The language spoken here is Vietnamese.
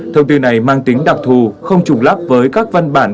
thông tin này mang tính đặc thù không trùng lắp với các văn bản